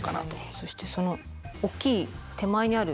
そしてその大きい手前にある。